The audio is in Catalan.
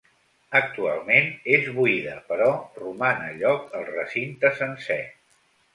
Actualment és buida, però roman a lloc el recinte sencer.